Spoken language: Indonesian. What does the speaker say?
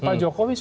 pak jokowi sudah